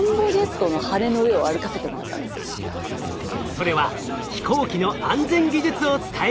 それは飛行機の安全技術を伝える回。